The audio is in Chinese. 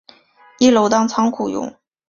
一楼当仓库用